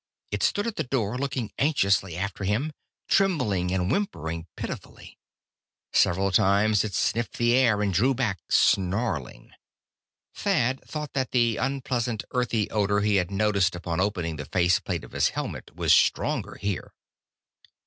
It stood at the door, looking anxiously after him, trembling and whimpering pitifully. Several times it sniffed the air and drew back, snarling. Thad thought that the unpleasant earthy odor he had noticed upon opening the face plate of his helmet was stronger here.